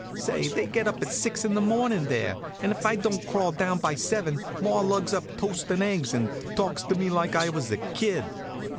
"Say, they get up at six in the morning there, and if I don't crawl down by seven maw lugs up toast and eggs, and talks to me like I was a kid."